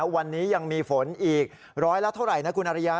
วันนี้ยังมีฝนอีกร้อยละเท่าไหร่นะคุณอริยา